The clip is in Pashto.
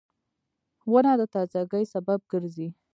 • ونه د تازهګۍ سبب ګرځي.